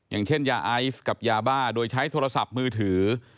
อย่างเช่นยาไอซ์กับยาบ้าโดยใช้โทรศัพท์มือถือ